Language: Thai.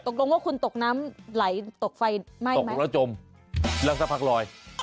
ตกลงว่าคุณตกน้ำไหลตกไฟไหม้ตกลงแล้วจมแล้วสักพักลอย